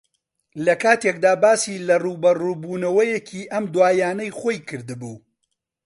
لەکاتێکدا باسی لە ڕووبەڕووبوونەوەیەکی ئەم دواییانەی خۆی کردبوو